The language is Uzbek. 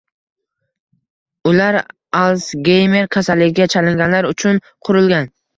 Ular Alsgeymer kasalligiga chalinganlar uchun qurilgan.